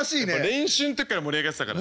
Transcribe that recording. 練習の時から盛り上がってたから。